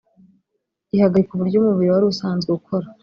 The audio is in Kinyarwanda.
ihagarika uburyo umubiri wari usanzwe ukora